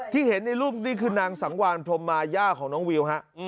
เห็นในรูปนี้คือนางสังวานพรมมาย่าของน้องวิวฮะ